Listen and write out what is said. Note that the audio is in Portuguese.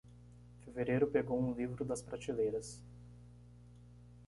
Fevereiro pegou um livro das prateleiras.